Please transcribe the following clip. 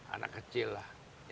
anak kecil lah